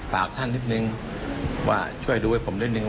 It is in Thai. ฝากท่านนิดนึงว่าช่วยดูให้ผมนิดนึง